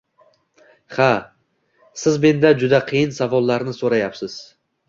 Ha, siz mendan juda qiyin savollarni soʻrayapsiz.